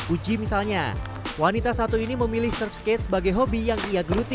uji misalnya wanita satu ini memilih surfskate sebagai hobi yang ia geluti